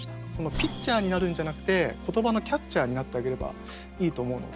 ピッチャーになるんじゃなくて言葉のキャッチャーになってあげればいいと思うので。